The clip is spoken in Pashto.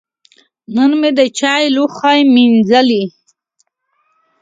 نن مې د چای لوښی مینځلي.